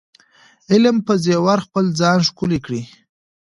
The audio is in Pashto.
د علم په زیور خپل ځان ښکلی کړئ.